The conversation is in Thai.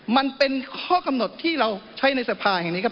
มันเป็นข้อกำหนดที่เราใช้ในสภาแห่งนี้ครับ